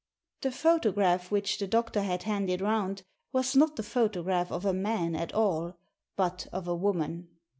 The photograph which the doctor had handed round was not the photograph of a man at all, but of a woman.